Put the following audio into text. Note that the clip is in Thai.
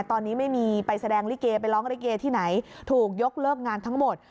ตอนนี้ไม่มีไปแสดงลิเกไปร้องลิเกที่ไหนถูกยกเลิกงานทั้งหมด